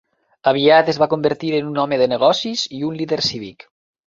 Aviat es va convertir en un home de negocis i un líder cívic.